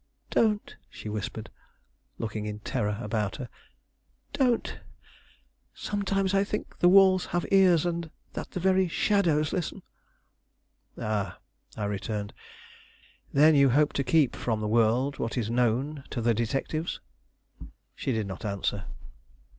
"Don't," she whispered, looking in terror about her. "Don't! Sometimes I think the walls have ears, and that the very shadows listen." "Ah," I returned; "then you hope to keep from the world what is known to the detectives?" She did not answer.